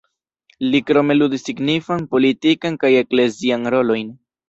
Li krome ludis signifan politikan kaj eklezian rolojn.